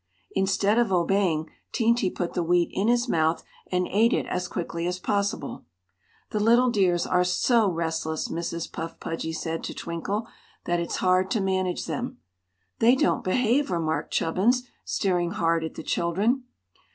Instead of obeying, Teenty put the wheat in his mouth and ate it as quickly as possible. "The little dears are so restless," Mrs. Puff Pudgy said to Twinkle, "that it's hard to manage them." "They don't behave," remarked Chubbins, staring hard at the children.